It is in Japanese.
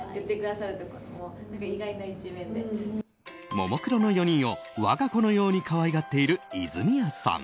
ももクロの４人を我が子のように可愛がっている泉谷さん。